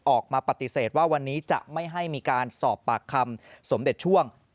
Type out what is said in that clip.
ออกมาปฏิเสธว่าวันนี้จะไม่ให้มีการสอบปากคำสมเด็จช่วง